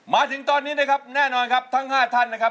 มาถึงตอนนี้นะครับแน่นอนครับทั้ง๕ท่านนะครับ